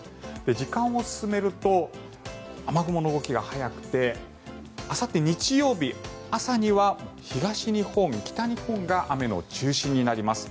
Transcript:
時間を進めると雨雲の動きが早くてあさって日曜日の朝には東日本、北日本が雨の中心になります。